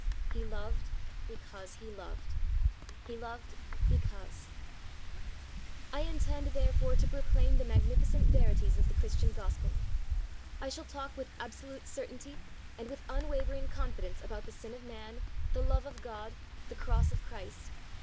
He loved because He loved. He loved because. I intend, therefore, to proclaim the magnificent verities of the Christian gospel. I shall talk with absolute certainty, and with unwavering confidence, about the sin of man, the love of God, the Cross of Christ.